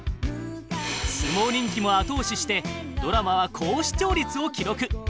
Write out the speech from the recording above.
相撲人気も後押ししてドラマは高視聴率を記録。